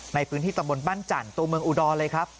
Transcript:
ในพื้นที่ตำบลบ้านจันทร์ตัวเมืองอุดรเลยครับ